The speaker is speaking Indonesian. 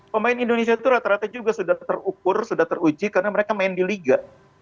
pemain indonesia itu rata rata juga sudah terukur sudah teruji karena mereka main di liga